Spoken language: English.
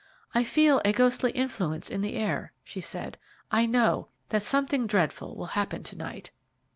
"I feel a ghostly influence in the air," she said; "I know that something dreadful will happen tonight."